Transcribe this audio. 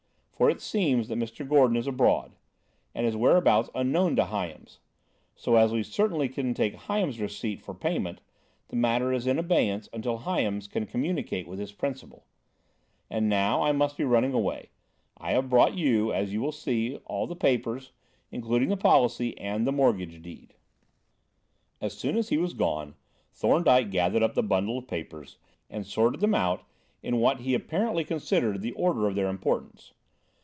For it seems that Mr. Gordon is abroad, and his whereabouts unknown to Hyams; so, as we certainly couldn't take Hyams's receipt for payment, the matter is in abeyance until Hyams can communicate with his principal. And now, I must be running away. I have brought you, as you will see, all the papers, including the policy and the mortgage deed." As soon as he was gone, Thorndyke gathered up the bundle of papers and sorted them out in what be apparently considered the order of their importance.